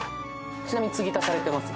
ちなみに継ぎ足されてます？